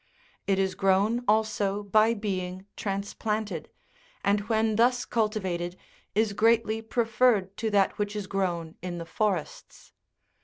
It is grown also by being transplanted, and when thus cultivated is greatly preferred to that which is grown in the forests.